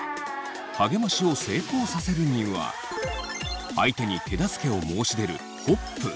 励ましを成功させるには相手に手助けを申し出るホップ。